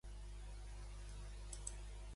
Eren iguals que l'establer?